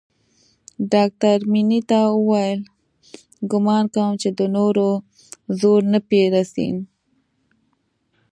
ډاکتر مينې ته وويل ګومان کوم چې د نورو زور نه پې رسي.